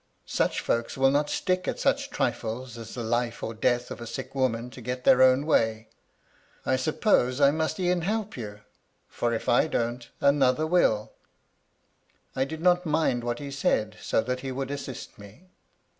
Such folks will not stick at such trifles as the life or death of a sick woman to get their own way. I suppose, I must e'en help you, for if I don't, another wiU.' ^^I did not mind what he said, so that he would assist me.